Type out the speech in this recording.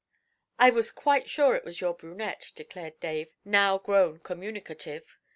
'I was quite sure it was your brunette,' declared Dave, now grown communicative.